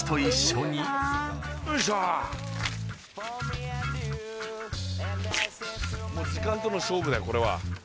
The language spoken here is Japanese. もう時間との勝負だよこれは。